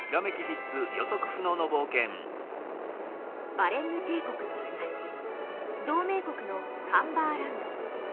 バレンヌ帝国の東同盟国のカンバーランド。